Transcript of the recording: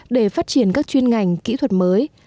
để phát triển các chuyên ngành kỹ thuật mới